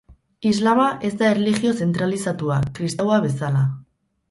Islama ez da erlijio zentralizatua, kristaua bezala.